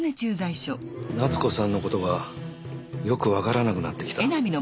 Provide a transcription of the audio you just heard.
夏子さんのことがよくわからなくなってきた。